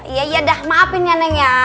yaudah maafin ya nenek ya